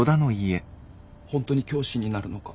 本当に教師になるのか？